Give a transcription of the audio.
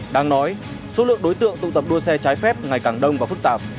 đang nói số lượng đối tượng tụ tập đua xe trái phép ngày càng đông và phức tạp